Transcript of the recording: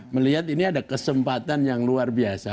melihat ini ada kesempatan yang luar biasa